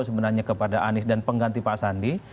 sebenarnya kepada anies dan pengganti pak sandi